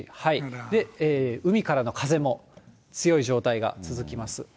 で、海からの風も強い状態が続きます。